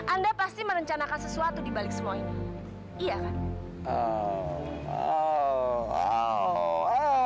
anda pasti merencanakan sesuatu dibalik semua ini iya kan